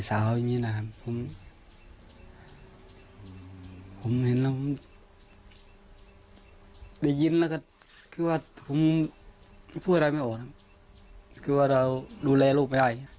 ตอนนี้เป็นห่วงสภาพจิตใจลูกไหมครับผม